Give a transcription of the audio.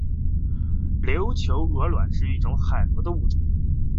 琉球峨螺是一种海螺的物种。